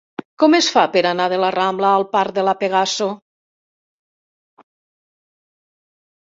Com es fa per anar del la Rambla al parc de La Pegaso?